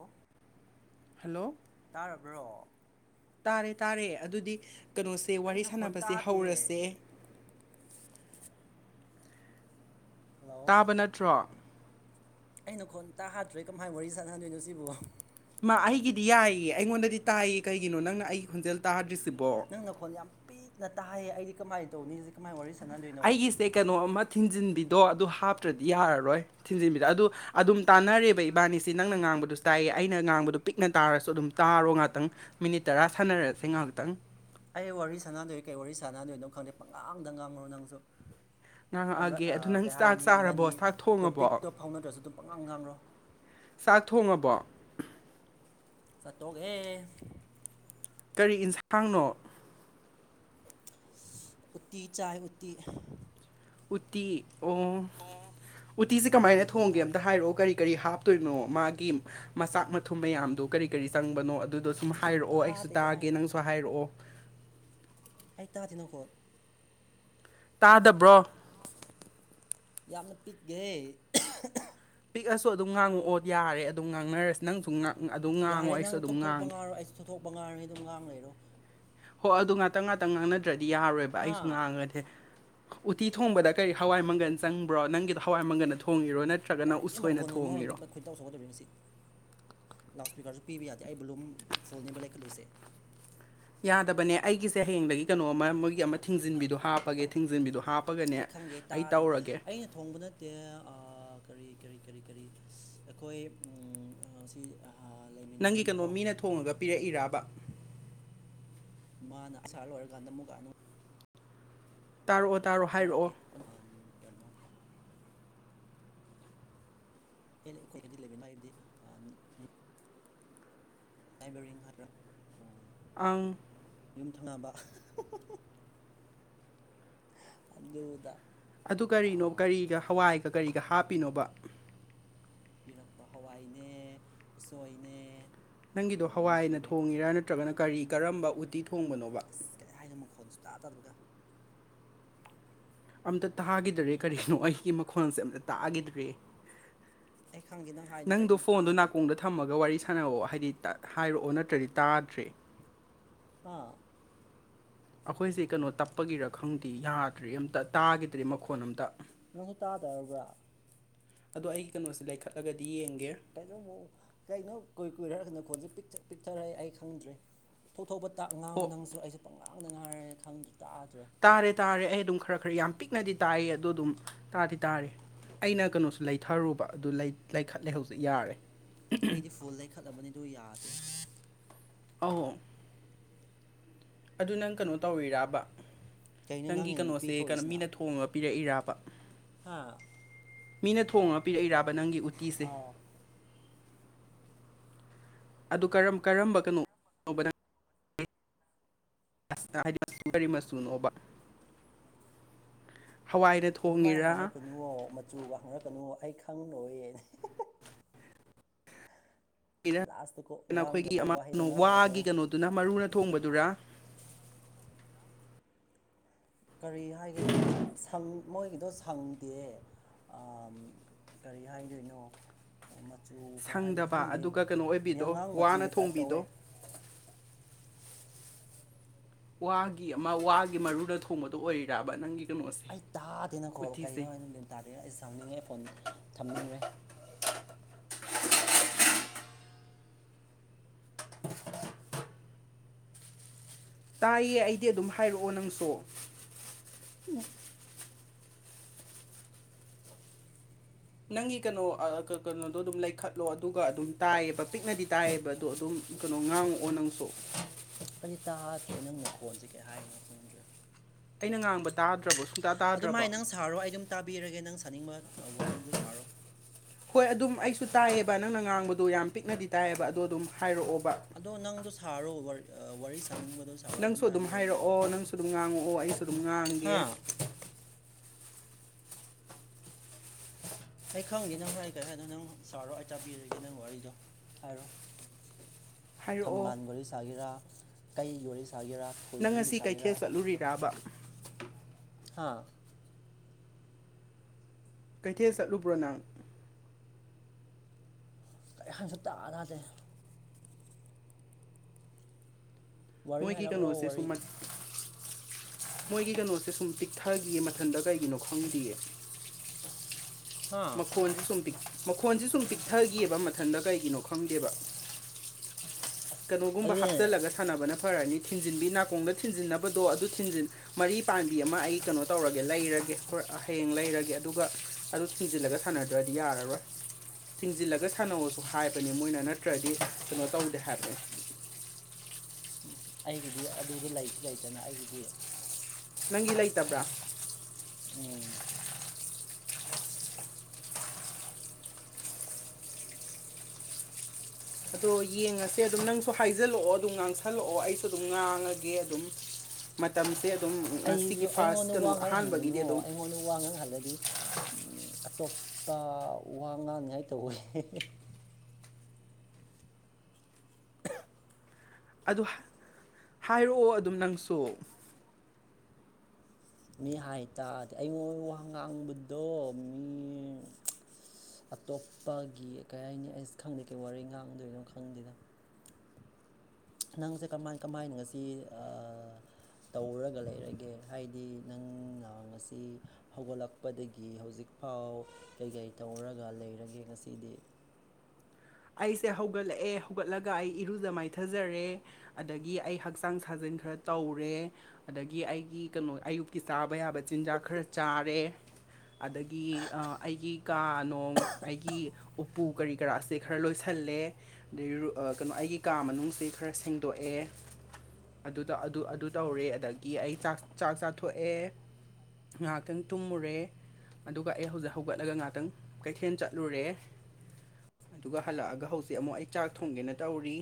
ꯑꯣ ꯍꯜꯂꯣ ꯇꯥꯔꯕ꯭ꯔꯣ ꯇꯥꯔꯦ ꯇꯥꯔꯦ ꯑꯗꯨꯗꯤ ꯀꯩꯅꯣꯁꯦ ꯑꯩ ꯋꯥꯔꯤ ꯅꯈꯣꯟ ꯁꯥꯟꯅꯕꯁꯦ ꯇꯥꯗꯦ ꯍꯧꯔꯁꯦ ꯍꯜꯂꯣ ꯇꯥꯕ ꯅꯠꯇ꯭ꯔꯣ ꯑꯩꯅ ꯈꯣꯟ ꯇꯥꯍꯗ꯭ꯔꯦ ꯀꯃꯥꯏꯅ ꯋꯥꯔꯤ ꯁꯥꯟꯅꯟꯗꯣꯏꯅꯣ ꯁꯤꯕꯨ ꯃꯥ ꯑꯩꯒꯤꯗꯤ ꯌꯥꯏꯌꯦ ꯑꯩꯉꯣꯟꯗꯗꯤ ꯇꯥꯏꯌꯦ ꯀꯩꯒꯤꯅꯣ ꯅꯪꯅ ꯑꯩꯒꯤ ꯈꯣꯟꯖꯦꯜ ꯇꯥꯗ꯭ꯔꯤꯁꯤꯕꯣ ꯅꯪ ꯅꯈꯣꯟ ꯌꯥꯝ ꯄꯤꯛꯅ ꯇꯥꯏꯌꯦ ꯑꯩꯗꯤ ꯀꯃꯥꯏꯅ ꯇꯧꯅꯤꯁꯦ ꯀꯃꯥꯏꯅ ꯋꯥꯔꯤ ꯁꯥꯟꯅꯗꯣꯏꯅꯣ ꯁꯦ ꯀꯩꯅꯣ ꯑꯃ ꯊꯤꯟꯖꯤꯟꯕꯤꯗꯣ ꯑꯗꯨ ꯍꯥꯞꯇ꯭ꯔꯗꯤ ꯌꯥꯔꯔꯣꯏ ꯊꯤꯟꯖꯤꯟꯕꯤꯗꯣ ꯑꯗꯨ ꯑꯗꯨꯝ ꯇꯥꯟꯅꯔꯦꯕ ꯏꯕꯥꯅꯤꯁꯤ ꯅꯪꯅ ꯉꯥꯡꯕꯗꯨꯁꯨ ꯇꯥꯏꯌꯦ ꯑꯩꯅ ꯉꯥꯡꯕꯗꯨ ꯄꯤꯛꯅ ꯇꯥꯔꯁꯨ ꯑꯗꯨꯝ ꯇꯥꯔꯣ ꯉꯥꯛꯇꯪ ꯃꯤꯅꯤꯠ ꯇꯔꯥ ꯁꯥꯟꯅꯔꯁꯦ ꯉꯍꯥꯛꯇꯪ ꯑꯩ ꯋꯥꯔꯤ ꯁꯥꯟꯅꯗꯣꯏ ꯀꯩ ꯋꯥꯔꯤ ꯁꯥꯟꯅꯗꯣꯏꯅꯣ ꯈꯪꯗꯦ ꯄꯪꯉꯥꯡꯗ ꯉꯥꯡꯔꯣ ꯅꯪꯁꯨ ꯉꯥꯡꯉꯛꯑꯒꯦ ꯑꯗꯨ ꯅꯪ ꯀꯩ ꯆꯥꯛ ꯍꯥꯏꯅꯤ ꯏꯕꯥꯅꯤ ꯆꯥꯔꯕꯣ ꯆꯥꯛ ꯊꯣꯡꯉꯕꯣ ꯇꯣꯄꯤꯛꯇꯣ ꯐꯥꯎꯅꯗ꯭ꯔꯁꯨ ꯑꯗꯨꯝ ꯄꯪꯉꯥꯡ ꯉꯥꯡꯔꯣ ꯆꯥꯛ ꯊꯣꯡꯉꯕꯣ ꯆꯇꯣꯛꯑꯦ ꯀꯔꯤ ꯏꯟꯁꯥꯡꯅꯣ ꯎꯇꯤ ꯆꯥꯏ ꯎꯇꯤ ꯎꯇꯤ ꯑꯣ ꯎꯇꯤꯁꯦ ꯑꯣ ꯀꯃꯥꯏꯅ ꯅꯈꯣꯟ ꯊꯣꯡꯒꯦ ꯇꯥꯔꯦ ꯑꯝꯇ ꯍꯥꯏꯔꯛꯑꯣ ꯀꯔꯤ ꯀꯔꯤ ꯍꯥꯞꯇꯣꯏꯅꯣ ꯃꯥꯒꯤ ꯃꯆꯥꯛ ꯃꯊꯨꯝ ꯃꯌꯥꯝꯗꯣ ꯀꯔꯤ ꯀꯔꯤ ꯆꯪꯕꯅꯣ ꯑꯗꯨꯗꯣ ꯁꯨꯝ ꯍꯥꯏꯔꯛꯑꯣ ꯑꯩꯁꯨ ꯇꯥꯗꯦ ꯀꯩ ꯇꯥꯒꯦ ꯍꯥꯏꯅꯣ ꯅꯪꯁꯨ ꯍꯥꯏꯔꯛꯑꯣ ꯑꯩ ꯇꯥꯗꯦ ꯅꯈꯣꯟ ꯇꯥꯗꯕ꯭ꯔꯣ ꯌꯥꯝꯅ ꯄꯤꯛꯒꯦ ꯄꯤꯛꯑꯁꯨ ꯑꯗꯨꯝ ꯉꯥꯡꯉꯛꯑꯣ ꯌꯥꯔꯦ ꯑꯗꯨꯝ ꯉꯥꯡꯅꯔꯁꯤ ꯅꯪꯁꯨ ꯉꯥꯡ ꯑꯗꯨꯝ ꯉꯥꯡꯉꯣ ꯌꯥꯔꯦ ꯑꯩꯁꯨ ꯅꯪ ꯑꯗꯨꯝ ꯊꯣꯛꯊꯣꯛꯄ ꯉꯥꯡꯒꯦ ꯉꯥꯡꯔꯣ ꯑꯩꯁꯨ ꯊꯣꯛꯊꯣꯛꯄ ꯉꯥꯡꯔꯒꯦ ꯑꯗꯨꯝ ꯉꯥꯡ ꯂꯩꯔꯣ ꯍꯣ ꯑꯗꯨ ꯉꯥꯛꯇꯪ ꯉꯥꯛꯇꯪ ꯉꯥꯡꯅꯗ꯭ꯔꯗꯤ ꯌꯥꯔꯔꯣꯏꯕ ꯍꯥ ꯑꯩꯁꯨ ꯉꯥꯡꯉꯗꯦ ꯎꯇꯤ ꯊꯣꯡꯕꯗ ꯀꯔꯤ ꯍꯋꯥꯏ ꯃꯪꯒꯜ ꯆꯪꯕ꯭ꯔꯣ ꯅꯪꯒꯤꯗꯣ ꯍꯋꯥꯏ ꯃꯪꯒꯜꯗ ꯊꯣꯡꯉꯤꯔꯣ ꯅꯠ ꯇ꯭ꯔꯒꯅ ꯎꯁꯣꯏꯅ ꯊꯣꯡꯉꯤꯔꯣ ꯈꯣꯏꯗꯧ ꯁꯥꯎꯒꯠꯇꯧꯔꯦ ꯉꯁꯤ ꯂꯥꯎꯠ ꯁ꯭ꯄꯤꯀꯔꯁꯨ ꯄꯤꯕ ꯌꯥꯗꯦ ꯑꯩ ꯕꯣꯂꯨꯝ ꯐꯨꯜꯅꯦꯕ ꯂꯩꯈꯠꯂꯤꯁꯦ ꯌꯥꯗꯕꯅꯦ ꯑꯩꯒꯤꯁꯦ ꯍꯌꯦꯡꯗꯒꯤ ꯀꯩꯅꯣ ꯑꯃ ꯃꯣꯏꯒꯤ ꯑꯃ ꯊꯤꯡꯖꯤꯟꯕꯤꯗꯣ ꯍꯥꯞꯄꯒꯦ ꯊꯤꯡꯖꯤꯟꯕꯤꯗꯣ ꯍꯥꯞ ꯄꯒꯅꯦ ꯑꯩ ꯈꯪꯗꯦ ꯑꯩ ꯇꯥꯗꯦ ꯇꯧꯔꯒꯦ ꯑꯩꯅ ꯊꯣꯡꯕ ꯅꯠꯇꯦ ꯑ ꯀꯔꯤ ꯀꯔꯤ ꯀꯔꯤ ꯀꯔꯤ ꯑꯩꯈꯣꯏ ꯑ ꯁꯤ ꯅꯪꯒꯤ ꯀꯩꯅꯣ ꯂꯩꯃꯤꯟꯅꯕꯅꯀꯣ ꯃꯤꯅ ꯊꯣꯉꯒ ꯄꯤꯔꯛꯏꯔꯕ ꯃꯥꯅ ꯑꯁꯥ ꯂꯣꯏꯔꯀꯥꯟꯗ ꯑꯃꯨꯛꯀ ꯇꯥꯔꯛꯑꯣ ꯇꯥꯔꯛꯑꯣ ꯍꯥꯏꯔꯛꯑꯣ ꯑꯉꯥꯡ ꯀꯩꯅꯣ ꯑꯦ ꯑꯩꯈꯣꯏꯅꯗꯤ ꯂꯩꯃꯤꯟ ꯍꯥꯏꯕꯗꯤ ꯅꯥꯏꯕꯔꯤꯡ ꯍꯥꯏꯗ꯭ꯔ ꯎ ꯑꯪ ꯌꯨꯝ ꯊꯪꯅꯕ ꯑꯗꯨꯗ ꯑꯗꯨ ꯀꯔꯤꯅꯣ ꯀꯔꯤꯒ ꯍꯋꯥꯏꯒ ꯀꯔꯤꯒ ꯍꯥꯞꯄꯤꯅꯣꯕ ꯄꯤꯔꯛꯄ ꯍꯋꯥꯏꯅꯦ ꯎꯁꯣꯏꯅꯦ ꯅꯪꯒꯤꯗꯣ ꯊꯣꯡꯉꯒ ꯍꯋꯥꯏꯅ ꯄꯤꯔꯦ ꯊꯣꯡꯉꯤꯔꯥ ꯅꯠꯇ꯭ꯔꯒꯅ ꯀꯔꯤ ꯀꯔꯝꯕ ꯎꯇꯤ ꯊꯣꯡꯕꯅꯣꯕ ꯀꯩ ꯍꯥꯏꯅꯣ ꯃꯈꯣꯟꯁꯨ ꯇꯥ ꯇꯥꯗꯕꯒ ꯑꯝꯇ ꯇꯥꯈꯤꯗꯔꯦ ꯀꯔꯤꯅꯣ ꯑꯩꯒꯤ ꯃꯈꯣꯟꯁꯦ ꯑꯝꯇ ꯇꯥꯈꯤꯗ꯭ꯔꯦ ꯑꯩ ꯈꯪꯗꯦ ꯅꯪ ꯍꯥꯏꯗꯣ ꯅꯪꯗꯣ ꯀꯩꯅꯣ ꯐꯣꯟꯗꯣ ꯇꯥꯗꯦ ꯅꯥꯀꯣꯡꯗ ꯊꯝꯃꯒ ꯋꯥꯔꯤ ꯁꯥꯟꯅꯋꯣ ꯍꯥꯏꯗꯤ ꯍꯥꯏꯔꯛꯑꯣ ꯅꯠꯇ꯭ꯔꯗꯤ ꯇꯥꯗ꯭ꯔꯦ ꯍꯥꯥ ꯑꯩꯈꯣꯏꯁꯦ ꯀꯩꯅꯣ ꯇꯞꯄꯒꯤꯔ ꯈꯪꯗꯦ ꯌꯥꯗ꯭ꯔ‌ꯦ ꯑꯃꯝꯇ ꯇꯥꯈꯤꯗ꯭ꯔꯦ ꯃꯈꯣꯟ ꯑꯃꯇ ꯂ‌ꫭꯏ ꯇꯥꯗꯔꯕ꯭ꯔꯥ ꯑꯗꯣ ꯑꯩꯒꯤ ꯀꯩꯅꯣꯁꯦ ꯂꯩꯈꯠꯂꯒꯗꯤ ꯌꯦꯡꯒꯦ ꯀꯩꯩꯅ‌ꫭꯃꯨꯛ ꯀꯩꯅꯣ ꯀꯨꯏ ꯀꯨꯏꯔꯥ ꯅꯈꯣꯟꯁꯦ ꯄꯤꯛꯁꯛ ꯄꯤꯛꯊꯔꯛꯑꯦ ꯑꯩ ꯈꯪꯗ꯭ꯔꯦ ꯊꯣꯛꯊꯣꯛꯄꯇ ꯉꯥꯡꯉꯨ ꯍꯣ ꯅꯪꯁꯨ ꯑꯩꯁꯨ ꯄꯪꯉꯥꯡꯗ ꯉꯥꯏꯔꯦ ꯈꯪꯗ꯭ꯔ‌ꯦ ꯇꯥꯗ꯭ꯔꯦ ꯇꯥꯔꯦ ꯇꯥꯔꯦ ꯑꯩ ꯑꯗꯨꯝ ꯈꯔ ꯈꯔ ꯌꯥꯝ ꯄꯤꯛꯅꯗꯤ ꯇꯥꯏ ꯑꯗꯣ ꯑꯗꯨꯝ ꯇꯥꯗꯤ ꯇꯥꯔꯦ ꯑꯩꯅ ꯀꯩꯅꯣꯁꯨ ꯂꯩꯊꯔꯨꯕ ꯑꯗꯨ ꯂꯩꯈꯠꯂꯦ ꯍꯧꯖꯤꯛ ꯌꯥꯔꯦ ꯑꯩꯗꯤ ꯐꯨꯜ ꯂꯩꯈꯠꯂꯕꯅꯤꯗꯨ ꯌꯥꯗꯦ ꯑꯣ ꯑꯗꯨ ꯅꯪ ꯀꯩꯅꯣ ꯇꯧꯔꯤꯔꯥꯕ ꯀꯩꯅꯣ ꯅꯪꯒꯤ ꯅꯪꯒꯤꯅ ꯅꯨꯄꯤ ꯀꯩꯅꯣꯁꯦ ꯀꯩꯅꯣ ꯃꯤꯅ ꯊꯣꯡꯉꯒ ꯄꯤꯔꯛꯏꯔꯥꯕ ꯍꯥꯥ ꯃꯤꯅ ꯊꯣꯡꯉ ꯄꯤꯔꯛꯏꯔꯥꯕ ꯅꯪꯒꯤ ꯎꯇꯤꯁꯦ ꯑꯥꯎ ꯑꯗꯨ ꯀꯔꯝ ꯀꯔꯝꯕ ꯀꯅꯣ ꯀꯔꯤ ꯃꯆꯨꯅꯣꯕ ꯍꯋꯥꯏꯅ ꯑꯗꯨꯃꯥꯏꯅ ꯊꯣꯡꯉꯤꯔꯥ ꯍꯪꯔꯛꯀꯅꯨꯋ ꯃꯆꯨꯒ ꯍꯪꯉꯛꯀꯅꯨ ꯑꯩ ꯈꯪꯔꯣꯏ ꯌ‌ꯦ ꯑꯩꯈꯣꯏꯒꯤ ꯉꯥꯡꯗꯕ ꯋꯥꯍꯩꯗꯣ ꯋꯥꯒꯤ ꯉꯥꯡꯍꯜꯂꯛꯀꯅꯤ ꯀꯩꯅꯣ ꯑꯗꯨꯅ ꯃꯔꯨꯅ ꯊꯣꯡꯕꯗꯨꯔ ꯀꯔꯤ ꯍꯥꯏꯒꯥꯅ ꯁꯪ ꯃꯣꯏꯒꯤꯗꯣ ꯁꯪꯗꯦ ꯀꯔꯤ ꯍꯥꯏꯗꯣꯏꯅꯣ ꯃꯆꯨ ꯀꯩ ꯍꯥꯏꯅ ꯁꯪꯗꯕ ꯈꯪꯗꯦ ꯑꯗꯨꯒ ꯀꯩꯅꯣ ꯑꯣꯏꯕꯤꯗꯣ ꯌꯥꯉꯥꯡ ꯋꯥꯅ ꯃꯆꯨꯒꯤ ꯇꯥꯏꯞ ꯇꯧꯋꯦ ꯊꯣꯡꯕꯤꯗꯣ ꯋꯥꯒꯤ ꯑꯃ ꯋꯥꯒꯤ ꯃꯔꯨꯅ ꯊꯣꯡꯕꯗꯣ ꯑꯣꯏꯔꯤꯔꯕ ꯅꯪꯒꯤ ꯀꯩꯅꯣꯁꯦ ꯑꯩ ꯇꯥꯗꯦꯅ ꯅꯈ‌ꫭꯜ ꯀꯩꯅꯣ ꯎꯇꯤꯁꯦ ꯍꯥꯏꯅ ꯇꯥꯗꯦꯅ ꯑꯩꯁꯦ ꯁꯪꯅꯤꯡꯉꯦ ꯑꯩ ꯐꯣꯟ ꯊꯝꯅꯤꯡꯔꯦ ꯇꯥꯏꯌꯦ ꯑꯩꯗꯤ ꯑꯗꯨꯝ ꯍꯥꯏꯔꯛꯑꯣ ꯅꯪꯁꯨ ꯎꯝ ꯅꯪꯒꯤ ꯀꯩꯅꯣ ꯀꯩꯅꯣꯗꯣ ꯑꯗꯨꯝ ꯂꯩꯈꯠꯂꯣ ꯑꯗꯨꯒ ꯑꯗꯨꯝ ꯇꯥꯏꯌꯦꯕ ꯄꯤꯛꯅꯗꯤ ꯇꯥꯏꯌꯦꯕ ꯑꯗꯣ ꯑꯗꯨꯝ ꯀꯩꯅꯣ ꯉꯥꯡꯉꯛꯑꯣ ꯅꯪꯁꯨ ꯑꯩꯗꯤ ꯇꯥꯗ꯭ꯔꯦ ꯅꯪ ꯅꯈꯣꯟꯁꯦ ꯀꯩ ꯍꯥꯏꯔꯤꯅꯣ ꯈꯪꯗ꯭ꯔꯦ ꯑꯩꯅ ꯉꯥꯡꯕ ꯇꯥꯗ꯭ꯔꯕꯁꯨ ꯑꯗꯨ ꯃꯥꯏ ꯅꯪ ꯁꯥꯔꯣ ꯑꯩ ꯑꯗꯨꯝ ꯇꯥꯕꯤꯔꯒꯦ ꯅꯪ ꯁꯥꯅꯤꯡꯕ ꯋꯥꯔꯤꯗꯨꯣ ꯁꯥꯔꯣ ꯍꯣꯏ ꯑꯗꯨꯝ ꯑꯩꯁꯨ ꯇꯥꯏꯌꯦꯕ ꯅꯪꯅ ꯉꯥꯡꯕꯗꯣ ꯌꯥꯝ ꯄꯤꯛꯅꯗꯤ ꯇꯥꯏꯌꯦꯕ ꯑꯗꯣ ꯑꯗꯨꯝ ꯍꯥꯏꯔꯛꯑꯣꯕ ꯑꯗꯣ ꯅꯪꯗꯣ ꯁꯥꯔꯣ ꯋꯥꯔꯤ ꯁꯥꯅꯤꯡꯕꯗꯣ ꯁꯥꯔꯣ ꯑꯩ ꯑꯗꯨꯝ ꯇꯥꯕꯤꯔꯒꯦꯕ ꯑꯣ ꯅꯪꯁꯨ ꯑꯗꯨꯝ ꯉꯥꯡꯉꯛꯑꯣ ꯑꯩꯁꯨ ꯑꯗꯨꯝ ꯉꯥꯡꯒꯦ ꯍꯥ ꯑꯩ ꯈꯪꯗꯦ ꯅꯪ ꯍꯥꯏ ꯀꯩ ꯍꯥꯏ ꯑꯗꯣ ꯅꯪ ꯁꯥꯔꯣ ꯑꯩ ꯇꯥꯕꯤꯔꯒꯦ ꯅꯪ ꯋꯥꯔꯤꯗꯣ ꯍꯥꯏꯔꯣ ꯍꯥꯏꯔꯛꯑꯣ ꯊꯝꯕꯥꯜ ꯋꯥꯔꯤ ꯁꯥꯒꯦꯔꯥ ꯀꯩ ꯋꯥꯔꯤ ꯁꯥꯒꯦꯔꯥ ꯅꯪ ꯊꯣꯏꯕꯤꯒꯤ ꯉꯁꯤ ꯀꯩꯊꯦꯜ ꯁꯥꯒꯦꯔꯥ ꯆꯠꯂꯨꯔꯤꯕ ꯍꯥꯥ ꯀꯩꯊꯦꯜ ꯆꯠꯂꯨꯕ꯭ꯔꯣ ꯅꯪ ꯀꯩ ꯍꯤꯏꯅ‌ꫭ ꯁꯨꯡꯇꯥ ꯇꯥꯗꯦ ꯋꯥꯔꯤ ꯃꯣꯏꯒꯤ ꯍꯥꯏꯔꯛꯂꯣ ꯀꯩꯅꯣꯁꯦ ꯋꯥꯔꯤ ꯁꯨꯝ ꯃꯣꯏꯒꯤ ꯀꯩꯅꯣꯁꯦ ꯁꯨꯝ ꯄꯤꯛꯊꯈꯤꯌꯦ ꯃꯊꯟꯗ ꯀꯩꯒꯤꯅꯣ ꯈꯪꯗꯌꯦ ꯍꯥꯥ ꯃꯈꯣꯜ ꯁꯨꯝꯄꯤꯛ ꯃꯈꯣꯟꯁꯦ ꯁꯨꯝ ꯄꯤꯛꯊꯒꯤꯑꯦꯕ ꯃꯊꯟꯇ ꯀꯩꯒꯤꯅꯣ ꯈꯪꯗꯦꯕ ꯀꯩꯅꯣꯒꯨꯝꯕ ꯑꯗꯨꯅꯦ ꯍꯥꯞꯆꯜꯂꯒ ꯁꯥꯟꯅꯕꯅ ꯐꯔꯅꯤ ꯊꯤꯟꯖꯤꯟꯕꯤ ꯅꯥꯀꯣꯡꯗ ꯊꯤꯟꯖꯤꯟꯅꯕꯗꯣ ꯑꯗꯨ ꯊꯤꯟꯖꯤꯟ ꯃꯔꯤ ꯄꯥꯟꯕꯤ ꯑꯃ ꯑꯩ ꯀꯩꯅꯣ ꯇꯧꯔꯒꯦ ꯂꯩꯔꯒꯦ ꯍꯌꯦꯡ ꯂꯩꯔꯒꯦ ꯑꯗꯨꯒ ꯑꯗꯨ ꯊꯤꯡꯖꯤꯜꯂꯒ ꯁꯥꯟꯅꯗ꯭ꯔꯗꯤ ꯌꯥꯔꯔꯣꯏ ꯊꯤꯡꯖꯤꯜꯂꯒ ꯁꯥꯟꯅꯧꯁꯨ ꯍꯥꯏꯕꯅꯦ ꯃꯣꯏꯅ ꯅꯠꯇ꯭ꯔꯗꯤ ꯀꯩꯅꯣ ꯇꯧꯗꯦ ꯍꯥꯏꯕꯅꯤ ꯎꯝ ꯑꯩꯒꯤꯗꯤ ꯑꯗꯨꯗ ꯂꯩꯁꯨ ꯂꯩꯇꯅ ꯑꯩꯒꯤꯗꯤ ꯅꯪꯒꯤ ꯂꯩꯇꯕ꯭ꯔꯥ ꯎꯝ ꯑꯗꯣ ꯌꯦꯡꯉꯁꯦ ꯑꯗꯨꯝ ꯅꯪꯁꯨ ꯍꯥꯏꯖꯜꯂꯛꯑꯣ ꯑꯗꯨꯝ ꯉꯥꯡꯁꯜꯂꯛꯑꯣ ꯑꯩꯁꯨ ꯑꯗꯨꯝ ꯉꯥꯡꯉꯒꯦ ꯑꯗꯨꯝ ꯃꯇꯝꯁꯦ ꯑꯗꯨꯝ ꯁꯤꯒꯤ ꯑꯩꯁꯨ ꯐꯥꯔꯁ ꯑꯩꯉꯣꯟꯗ ꯀꯩꯅꯣ ꯋꯥ ꯑꯍꯥꯟꯕꯒꯤꯗꯤ ꯉꯥꯡꯍꯟꯒꯅꯨ ꯑꯗꯨꯝ ꯑꯩꯉꯣꯟꯗ ꯋꯥ ꯉꯥꯡꯍꯜꯂꯗꯤ ꯑꯇꯣꯞꯄ ꯋꯥ ꯉꯥꯡꯉꯥꯏ ꯇꯧꯋꯦ [unintelligible] ꯑꯗꯨ ꯍꯥꯏꯔꯛꯑꯣ ꯑꯗꯨꯝ ꯅꯪꯁꯨ ꯃꯤ ꯍꯥꯏꯇꯥꯔꯗꯤ ꯑꯩꯉꯣꯟ ꯋꯥ ꯉꯥꯡꯕꯗꯣ ꯃꯤ ꯑꯇꯣꯞꯄꯒꯤ ꯀꯩ ꯍꯥꯏꯅꯤ ꯑꯩꯁ ꯈꯪꯗꯦ ꯀꯩ ꯋꯥꯔꯤ ꯉꯥꯡꯗꯣꯏꯅꯣ ꯈꯪꯗꯦꯗ ꯅꯪꯁꯦ ꯀꯃꯥꯏ ꯀꯃꯥꯏꯅ ꯉꯁꯤ ꯇꯧꯔꯒ ꯂꯩꯔꯒꯦ ꯍꯥꯏꯗꯤ ꯅꯪꯅ ꯉꯁꯤ ꯍꯧꯒꯠꯂꯛꯄꯗꯒꯤ ꯍꯧꯖꯤꯛꯐꯥꯎ ꯀꯩꯀꯩ ꯇꯧꯔꯒ ꯂꯩꯔꯒꯦ ꯉꯁꯤꯗꯤ ꯑꯩꯁꯦ ꯍꯧꯒꯠꯂꯛꯑꯦ ꯍꯧꯒꯠꯂꯒ ꯑꯩ ꯏꯔꯨꯖ ꯃꯥꯏꯊꯖꯔꯦ ꯑꯗꯒꯤ ꯑꯩ ꯍꯛꯆꯥꯡ ꯁꯥꯖꯟ ꯈꯔ ꯇꯧꯔꯦ ꯑꯗꯒꯤ ꯑꯩꯒꯤ ꯀꯩꯅꯣ ꯑꯌꯨꯛꯀꯤ ꯆꯥꯕ ꯌꯥꯕ ꯆꯤꯟꯖꯥꯛ ꯈꯔ ꯆꯥꯔꯦ ꯑꯗꯒꯤ ꯑꯩꯒꯤ ꯀꯥ ꯅꯨꯡ ꯑꯩꯒꯤ ꯎꯄꯨ ꯀꯔꯤ ꯀꯔ ꯁꯦ ꯈꯔ ꯂꯣꯏꯁꯤꯜꯂꯦ ꯑꯗꯗꯒꯤ ꯀꯩꯅꯣ ꯑꯩꯒꯤ ꯀꯥ ꯃꯅꯨꯡꯁꯤ ꯈꯔ ꯁꯦꯡꯗꯣꯛꯑꯦ ꯑꯗꯨꯗ ꯑꯗꯨ ꯑꯗꯨ ꯇꯧꯔꯦ ꯑꯗꯒꯤ ꯑꯩꯥꯛ ꯆꯥꯛ ꯆꯥꯊꯣꯛꯑꯦ ꯉꯥꯏꯍꯥꯛꯇꯪ ꯇꯨꯝꯃꯨꯔꯦ ꯑꯗꯨꯒ ꯑꯩ ꯍꯧꯖꯤꯛ ꯍꯧꯒꯠꯂꯒ ꯉꯥꯏꯍꯥꯛꯇꯪ ꯀꯩꯊꯦꯜ ꯆꯠꯂꯨꯔꯦ ꯑꯗꯨꯒ ꯍꯜꯂꯛꯑꯒ ꯍꯧꯖꯤꯛ ꯑꯃꯨꯛ ꯑꯩ ꯆꯥꯛ ꯊꯣꯡꯒꯦꯅ ꯇꯧꯔꯤ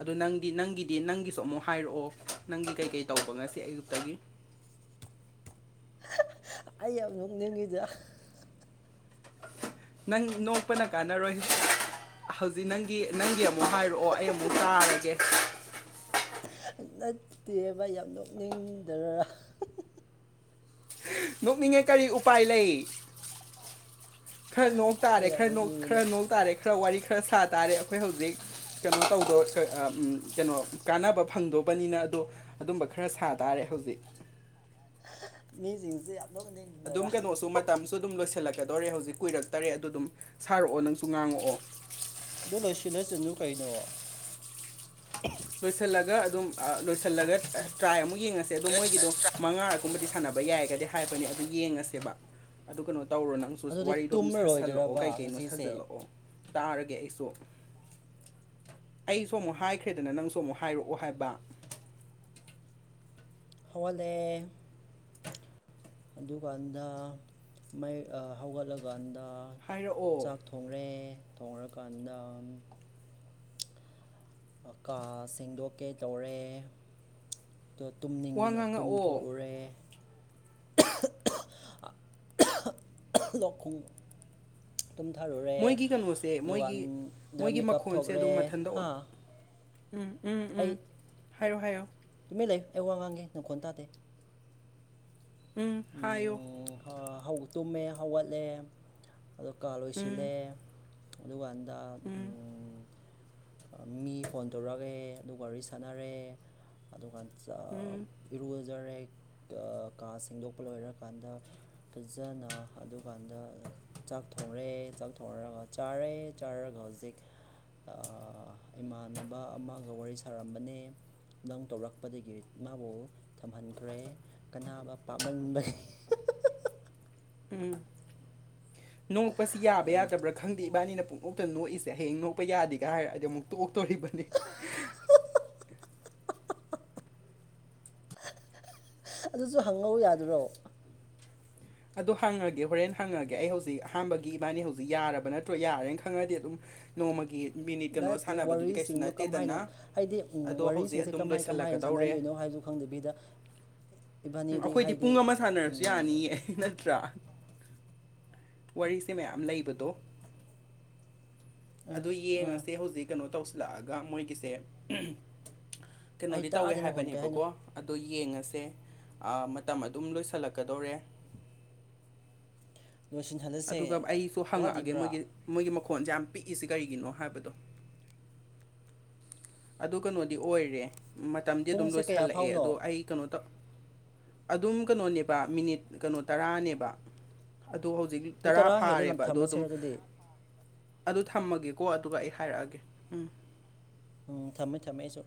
ꯑꯗꯨ ꯅꯪꯗꯤ ꯅꯪꯒꯤꯗꯤ ꯅꯪꯒꯤꯁꯨ ꯑꯃꯨꯛ ꯍꯥꯏꯔꯛꯑꯣ ꯅꯪꯗꯤ ꯀꯩꯀꯩ ꯇꯧꯕ ꯉꯁꯤ ꯑꯌꯨꯛꯇꯒꯤ ꯑꯩ ꯌꯥꯝ ꯅꯣꯛꯅꯤꯡꯉꯤꯗ ꯅꯪ ꯅꯣꯛꯄꯅ ꯀꯥꯟꯅꯔꯣꯏ ꯍꯧꯖꯤꯛ ꯅꯪꯒꯤ ꯅꯪꯒꯤ ꯑꯃꯨꯛ ꯍꯥꯏꯔꯛꯑꯣ ꯑꯩ ꯑꯃꯨꯛ ꯇꯥꯔꯒꯦ ꯐꯅ ꯇꯦꯕ ꯌꯥꯝ ꯅꯣꯛꯅꯤꯡꯗꯔ ꯅꯣꯛꯅꯤꯡꯉꯦ ꯀꯔꯤ ꯎꯄꯥꯏ ꯂꯩ ꯈꯔ ꯅꯣꯡ ꯇꯥꯔꯦ ꯑꯩ ꯌꯥꯝ ꯈꯔ ꯅꯣꯛꯅꯤꯡꯉꯤꯗ ꯈꯔ ꯅꯣꯛ ꯇꯥꯔꯦ ꯈꯔ ꯋꯥꯔꯤ ꯈꯔ ꯁꯥ ꯇꯥꯔꯦ ꯑꯩꯈꯣꯏ ꯍꯧꯖꯤꯛ ꯀꯩꯅꯣ ꯇꯧꯗ ꯀꯩꯅꯣ ꯀꯥꯟꯅꯕ ꯐꯪꯗꯧꯕꯅꯤꯅ ꯑꯗꯣ ꯑꯗꯨꯝꯕ ꯈꯔ ꯁꯥ ꯇꯥꯔꯦ ꯍꯧꯖꯤꯛ ꯃꯤꯁꯤꯡꯁꯦ ꯌꯥꯝ ꯂꯧꯣꯛꯅꯤꯡ ꯑꯗꯨꯝ ꯀꯩꯅꯣꯁꯨ ꯃꯇꯝꯁꯨ ꯑꯗꯨꯝ ꯂꯣꯏꯁꯤꯜꯂꯛꯀꯗꯧꯔꯦ ꯍꯧꯖꯤꯛ ꯀꯨꯏꯔꯛꯇꯔꯦ ꯑꯗꯨ ꯑꯗꯨꯝ ꯁꯥꯔꯛꯑꯣ ꯅꯪꯁꯨ ꯉꯥꯡꯉꯛꯑꯣ ꯑꯗꯨ ꯂꯣꯏꯁꯤꯜꯂꯁꯤꯟꯗꯨꯨ ꯀꯩꯅꯣ ꯂꯣꯏꯁꯤꯜꯂꯒ ꯑꯗꯨꯝ ꯂꯣꯏꯁꯤꯜꯂꯒ ꯇ꯭ꯔꯥꯏ ꯑꯃꯨꯛ ꯌꯦꯡꯉꯁꯦ ꯑꯗꯣ ꯃꯣꯏꯒꯤꯗꯣ ꯃꯉꯥ ꯨꯝ ꯁꯥꯟꯅꯕ ꯌꯥꯏ ꯍꯥꯏꯕꯅꯦ ꯑꯗꯨ ꯌꯦꯦꯕ ꯑꯗꯨ ꯀꯩꯅꯣ ꯇꯧꯔꯣ ꯅꯪ ꯑꯗꯨꯗꯤ ꯋꯥꯔꯤꯗꯣ ꯑꯗꯨꯝ ꯁꯥꯖꯜꯂꯛꯑꯣ ꯇꯨꯝꯃꯔꯣꯏꯗ꯭ꯔꯕ ꯀꯩ ꯀꯩꯅꯣ ꯉꯁꯤꯁꯦ ꯁꯥꯖꯜꯂꯛꯑꯣ ꯇꯥꯔꯒꯦ ꯑꯩꯁꯨ ꯑꯩꯁꯨ ꯑꯃꯨꯛ ꯍꯥꯏꯈ꯭ꯔꯦ ꯗꯅ ꯅꯪꯁꯨ ꯑꯃꯨꯛ ꯍꯥꯏꯔꯛꯑꯣ ꯍꯥꯏꯕ ꯍꯋꯥꯂꯦ ꯑꯗꯨꯀꯥꯟꯗ ꯃ ꯍꯧꯒꯠꯂꯀꯥꯟꯗ ꯍꯥꯏꯔꯛꯑꯣ ꯊꯣꯡꯂ ꯊꯣꯡꯂꯔꯀꯥꯟꯗ ꯀꯥ ꯁꯦꯡꯗꯣꯛꯀꯦ ꯇꯧꯔꯦ ꯇꯣ ꯋꯥ ꯇꯨꯝꯅꯤꯡꯗꯨꯅ ꯇꯨꯝ ꯉꯥꯡꯉꯛꯑꯣ ꯊꯣꯛꯂꯨꯔꯦ [unintelligible] ꯇꯨꯝ ꯊꯥꯔꯨꯔꯦ ꯃꯣꯏꯒꯤ ꯀꯩꯅꯣꯁꯦ ꯃꯣꯏꯒꯤ ꯀꯥꯟꯗ ꯃꯣꯏꯒꯤ ꯃꯤꯀꯞ ꯃꯈꯣꯟꯁꯦ ꯊꯣꯛꯂꯦ ꯑꯗꯨꯝ ꯃꯊꯟꯇ ꯍꯥ ꯑꯣ- ꯎꯝ ꯎꯝ ꯎꯝ ꯍꯥꯏꯌꯣ ꯍꯥꯏꯌꯣ ꯇꯨꯃꯤ ꯂꯩꯨ ꯑꯩ ꯋꯥ ꯉꯥꯡꯒꯦ ꯅꯪꯈꯣꯟ ꯇꯥꯗꯦ ꯎꯝ ꯍꯥꯏꯣ ꯇꯨꯝꯃꯦ ꯍꯧꯒꯠꯂꯦ ꯑꯣ ꯀꯥ ꯎꯝ ꯂꯣꯏꯁꯤꯜꯂꯦ ꯑꯗꯨꯀꯥꯟꯗ ꯎꯝ ꯃꯤ ꯐꯣꯟ ꯇꯧꯔꯛꯑꯦ ꯑꯗꯨ ꯋꯥꯔꯤ ꯁꯥꯟꯅꯔꯦ ꯑꯗꯨꯒꯥꯟ ꯎꯝ ꯏꯔꯨꯖꯔꯦ ꯀꯥ ꯁꯦꯡꯗꯣꯛꯄ ꯂꯣꯏꯔꯀꯥꯟꯗ ꯐꯖꯅ ꯑꯗꯨꯀꯥꯟꯗ ꯆꯥꯛ ꯊꯣꯡꯡꯂꯦ ꯆꯥꯛ ꯊꯣꯡꯉꯒ ꯆꯥꯔꯦ ꯆꯥꯔꯒ ꯍꯧꯖꯤꯛ ꯏꯃꯥꯟꯅꯕ ꯑꯃꯒ ꯋꯥꯔꯤ ꯁꯥꯔꯝꯕꯅꯦ ꯅꯪ ꯇꯧꯔꯛꯄꯗꯒꯤ ꯃꯥꯕꯨ ꯊꯝꯍꯟꯈ꯭ꯔꯦ ꯀꯅꯥꯕ ꯄꯥꯝꯃꯟꯕ ꯎꯝ ꯅꯣꯛꯄꯁꯤ ꯌꯥꯕ ꯌꯥꯗꯕ꯭ꯔꯥ ꯈꯪꯗꯦ ꯏꯕꯥꯅꯤꯅ ꯄꯨꯡꯑꯣꯛꯇ ꯅꯣꯛꯏꯁꯦ ꯍꯌꯦꯡ ꯅꯣꯛꯄ ꯌꯥꯗꯦꯒ ꯍꯥꯏꯔ ꯑꯩꯗꯤ ꯑꯃꯨꯛ ꯇꯣꯛꯇꯣꯔꯤꯕꯅꯤ ꯑꯗꯨꯁꯨ ꯍꯪꯉꯧ ꯌꯥꯗ꯭ꯔꯣ ꯑꯗꯣ ꯍꯪꯉꯒꯦ ꯍꯣꯔꯦꯟ ꯍꯪꯉꯒꯦ ꯑꯩ ꯍꯧꯖꯤꯛ ꯑꯍꯥꯟꯕꯒꯤ ꯏꯕꯥꯅꯤ ꯍꯧꯖꯤꯛ ꯌꯥꯔꯕ ꯅꯠꯇ꯭ꯔꯣ ꯌꯥꯔꯦꯅ ꯈꯪꯉꯗꯤ ꯑꯗꯨꯝ ꯅꯣꯡꯃꯒꯤ ꯃꯤꯅꯤꯠ ꯀꯩꯅꯣ ꯅꯠꯇꯦ ꯁꯥꯟꯅꯕꯗꯨꯗꯤ ꯀꯩꯁꯨ ꯋꯥꯔꯤꯁꯤꯡꯗꯣ ꯀꯝꯍꯥꯏꯅ ꯅꯠꯇꯦꯗꯅ ꯍꯥꯏꯗꯤ ꯑꯗꯣ ꯍꯧꯖꯤꯛ ꯋꯥꯔꯤꯁꯤꯡꯁꯦ ꯑꯗꯨꯝ ꯂꯣꯏꯁ ꯀꯃꯥꯏ ꯍꯥꯏꯅ ꯁꯥꯟꯅꯗꯣꯏꯅꯣ ꯍꯥꯏꯕꯗꯨ ꯈꯪꯗꯕꯤꯗ ꯎꯝ ꯏꯕꯥꯅꯤꯗꯤ ꯑꯩꯈꯣꯏꯗꯤ ꯍꯥꯏꯗꯤ ꯄꯨꯡ ꯑꯃ ꯁꯥꯟꯅꯔꯁꯨ ꯎꯝ ꯌꯥꯅꯤꯌꯦ ꯅꯠꯇ꯭ꯔꯥ ꯋꯥꯔꯤꯁꯦ ꯃꯌꯥꯝ ꯂꯩꯕꯗꯣ ꯑꯗꯨ ꯌꯦꯡꯉꯁꯦ ꯍꯧꯖꯤꯛ ꯀꯩꯅꯣ ꯇꯧꯁꯤꯜꯂꯛꯑꯒ ꯃꯣꯏꯒꯤꯁꯦ ꯑꯩ ꯀꯩꯅꯣꯗꯤ ꯇꯧꯋꯦ ꯇꯥꯛꯑꯗꯤꯅ ꯍꯣꯟ ꯀꯩ ꯍꯥꯏꯅꯣ ꯍꯥꯏꯕꯅꯦꯕꯀꯣ ꯑꯗꯣ ꯌꯦꯡꯉꯁꯦ ꯃꯇꯝ ꯑꯗꯨꯝ ꯂꯣꯏꯁꯜꯂꯛꯀꯗꯧꯔꯦ ꯂꯣꯏꯁꯤꯟꯍꯜꯂꯁꯦ ꯑꯗꯨꯒ ꯑꯩꯁꯨ ꯍꯪꯉꯛꯑꯒꯦ ꯋꯥꯠꯂꯤꯕ꯭ꯔꯥ ꯃꯣꯏꯒꯤ ꯃꯣꯏꯒꯤ ꯃꯈꯣꯟꯁꯦ ꯌꯥꯝ ꯄꯤꯛꯏꯁ ꯀꯔꯤꯒꯤꯅꯣ ꯍꯥꯏꯕꯗꯣ ꯑꯗꯨ ꯀꯩꯅꯣꯗꯤ ꯑꯣꯏꯔꯦ ꯃꯇꯝꯗꯤ ꯑꯗꯨꯝ ꯄꯨꯡꯁꯦ ꯀꯌꯥ ꯂꯣꯏꯁꯤꯜꯂꯛꯑꯦ ꯐꯥꯎꯅꯣ ꯑꯗꯣ ꯑꯩ ꯀꯩꯅꯣ ꯑꯗꯨꯝ ꯀꯩꯅꯣꯅꯦꯕ ꯃꯤꯅꯤꯠ ꯀꯩꯅꯣ ꯇꯔꯥꯅꯦꯕ ꯑꯗꯣ ꯍꯧꯖꯤꯛ ꯑꯗꯨ ꯇꯔꯥ ꯍꯦꯜꯂꯦ ꯂꯝ ꯐꯥꯔꯦꯕ ꯑꯗꯣ ꯑꯗꯨꯝ ꯊꯝꯃꯁꯤꯔ ꯑꯗꯨꯗꯤ ꯑꯗꯨ ꯊꯝꯃꯒꯦꯀꯣ ꯑꯗꯨꯒ ꯑꯩ ꯍꯥꯏꯔꯛꯑꯒꯦ ꯎꯝ ꯎꯝ ꯊꯝꯃꯦ ꯊꯝꯃꯦ ꯑꯩꯁꯨ